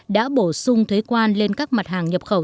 đã bổ sung thuế quan lên các mặt hàng nhập khẩu